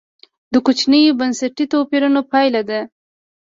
د کوچنیو بنسټي توپیرونو پایله ده.